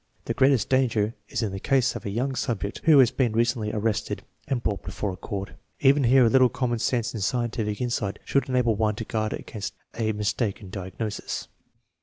The greatest danger is in the case of a young subject who has been recently arrested and brought before a court. Even here a little common sense and scientific insight should enable one to guard against a mistaken diagnosis.